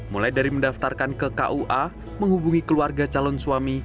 mulai dari mendaftarkan ke kua menghubungi keluarga calon suami